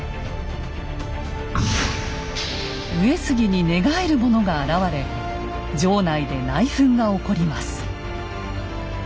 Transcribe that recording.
上杉に寝返るものが現れ城内で内紛が起こります。